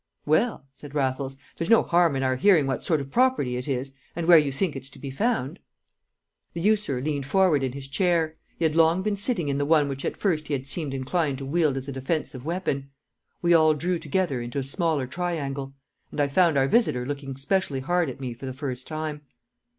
"Well," said Raffles, "there's no harm in our hearing what sort of property it is, and where you think it's to be found." The usurer leant forward in his chair; he had long been sitting in the one which at first he had seemed inclined to wield as a defensive weapon. We all drew together into a smaller triangle. And I found our visitor looking specially hard at me for the first time.